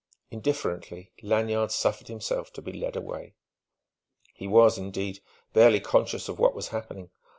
Indifferently Lanyard suffered himself to be led away. He was, indeed, barely conscious of what was happening.